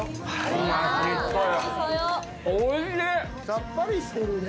さっぱりしてるね。